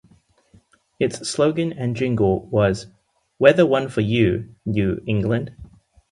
Its slogan and jingle was We're the one for you, New England.